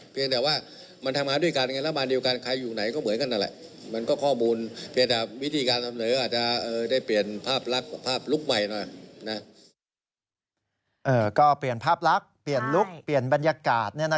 ก็เปลี่ยนภาพลักษณ์เปลี่ยนลุคเปลี่ยนบรรยากาศ